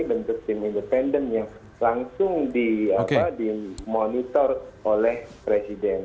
bentuk tim independen yang langsung dimonitor oleh presiden